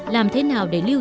làm thế nào để lưu giữ